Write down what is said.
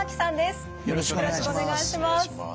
よろしくお願いします。